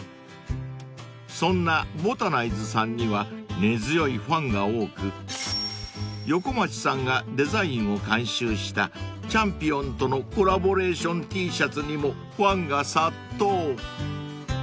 ［そんなＢＯＴＡＮＩＺＥさんには根強いファンが多く横町さんがデザインを監修したＣｈａｍｐｉｏｎとのコラボレーションＴシャツにもファンが殺到］